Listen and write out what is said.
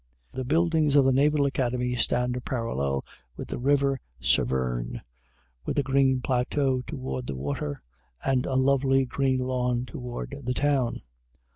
The buildings of the Naval Academy stand parallel with the river Severn, with a green plateau toward the water and a lovely green lawn toward the town.